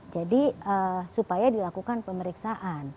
jadi supaya dilakukan pemeriksaan